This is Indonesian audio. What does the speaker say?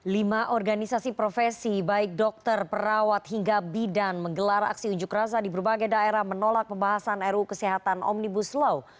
lima organisasi profesi baik dokter perawat hingga bidan menggelar aksi unjuk rasa di berbagai daerah menolak pembahasan ruu kesehatan omnibus law